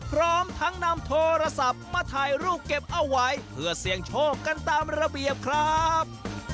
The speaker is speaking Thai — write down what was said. พร้อมทั้งนำโทรศัพท์มาถ่ายรูปเก็บเอาไว้เพื่อเสี่ยงโชคกันตามระเบียบครับ